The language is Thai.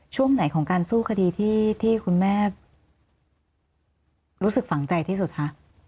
ช่วงไหนของการสู้คดีที่คุณแม่รู้สึกฝังใจที่สุดคะ